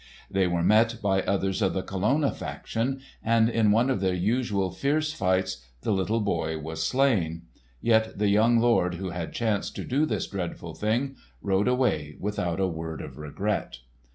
They were met by others of the Colonna faction, and in one of their usual fierce fights the little boy was slain. Yet the young lord who had chanced to do this dreadful thing rode away without a word of regret.